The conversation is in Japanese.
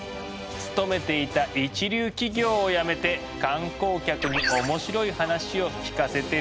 勤めていた一流企業を辞めて観光客に面白い話を聞かせてるんだとか。